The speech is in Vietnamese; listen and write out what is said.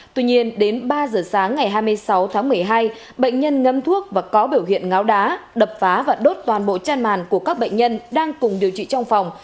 tuy nhiên đến ba giờ sáng ngày hai mươi sáu tháng một mươi hai bệnh nhân ngâm thuốc và có biểu hiện ngáo đá đập phá và đốt toàn bộ chăn màn của các bệnh nhân đang cùng điều trị trong phòng